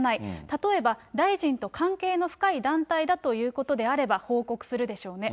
例えば、大臣と関係の深い団体だということであれば、報告するでしょうね。